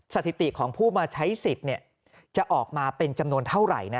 สถิติของผู้มาใช้สิทธิ์จะออกมาเป็นจำนวนเท่าไหร่นะ